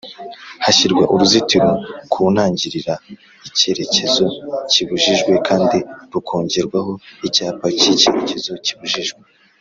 hashyirwa uruzitiro kuntangirira icyerekezo kibujijwe kandi rukongerwaho Icyapa cy’icyerekezo kibujijwe